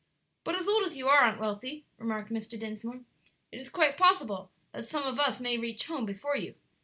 "But old as you are, Aunt Wealthy," remarked Mr. Dinsmore, "it is quite possible that some of us may reach home before you.